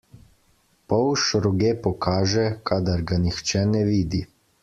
Polž roge pokaže, kadar ga nihče ne vidi.